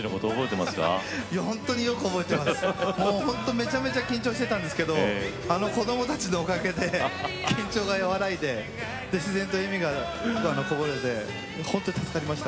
めちゃめちゃ緊張していたんですけど子どもたちのおかげで緊張が和らいで自然と笑みがこぼれて助かりました。